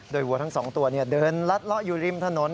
วัวทั้ง๒ตัวเดินลัดเลาะอยู่ริมถนน